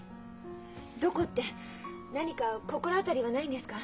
どこって何か心当たりはないんですか？